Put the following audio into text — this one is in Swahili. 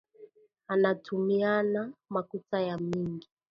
Anatumiana makuta ya mingi